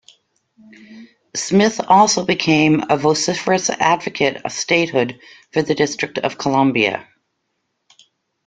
Smith also became a vociferous advocate of statehood for the District of Columbia.